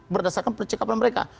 berdasarkan percekapan mereka